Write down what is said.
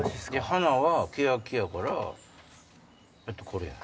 花はケヤキやからこれや。